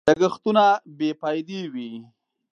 لګښتونه بې فايدې وي.